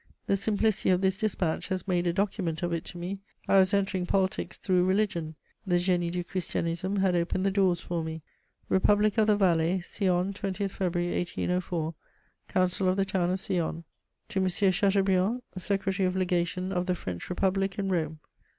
The simplicity of this despatch has made a document of it to me; I was entering politics through religion: the Génie du Christianisme had opened the doors for me. [Sidenote: I am promoted.] "REPUBLIC OF THE VALAIS. "SION, 20 February 1804. "COUNCIL OF THE TOWN OF SION. "_To Monsieur Chateaubriand, Secretary of Legation of the French Republic in Rome.